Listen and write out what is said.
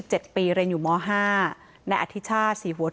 แต่มันถือปืนมันไม่รู้นะแต่ตอนหลังมันจะยิงอะไรหรือเปล่าเราก็ไม่รู้นะ